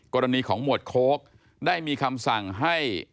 กรณีของหมวดโค้กได้มีคำสั่งให้